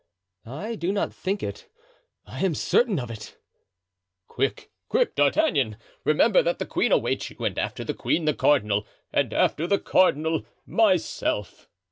"I do not think it, I am certain of it." "Quick, quick, D'Artagnan. Remember that the queen awaits you, and after the queen, the cardinal, and after the cardinal, myself."